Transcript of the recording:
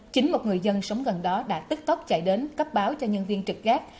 chính một người dân sống gần đó đã tức tốc chạy đến cấp báo cho nhân viên trực gác